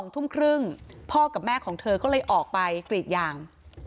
๒ทุ่มครึ่งพ่อกับแม่ของเธอก็เลยออกไปกรีดยาง